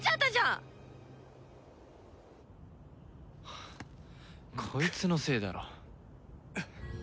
はあこいつのせいだろ。